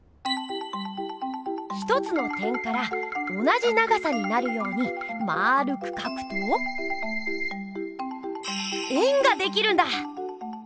１つの点から同じ長さになるようにまるくかくと円ができるんだ！